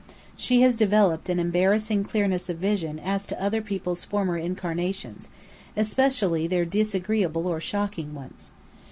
She has developed an embarrassing clearness of vision as to other people's former incarnations, especially their disagreeable or shocking ones.